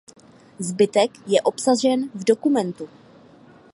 Zbytek je obsažen v dokumentu.